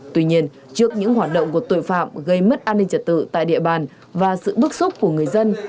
tuy nhiên trước những hoạt động của tội phạm gây mất an ninh trật tự tại địa bàn và sự bức xúc của người dân